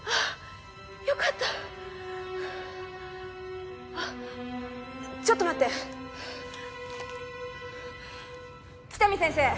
よかったあっちょっと待って喜多見先生